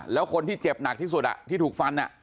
แล้วคนที่เจ็บหนักที่สุดที่ถูกฟัน